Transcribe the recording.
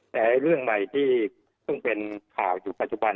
แต่เรื่องใหม่ที่เพิ่งเป็นข่าวอยู่ปัจจุบัน